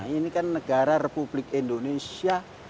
ini kan negara republik indonesia